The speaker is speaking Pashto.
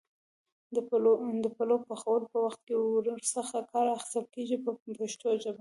د پلو پخولو په وخت کې ور څخه کار اخیستل کېږي په پښتو ژبه.